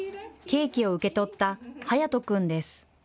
ケーキを受け取ったハヤトくんです。